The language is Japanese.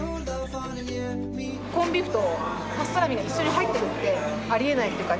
コンビーフとパストラミが一緒に入ってるってありえないっていうか